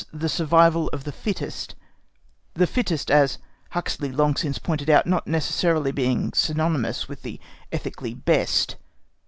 "The survival of the fittest"—the "fittest," as Huxley long since pointed out, not being necessarily synonymous with the ethically "best."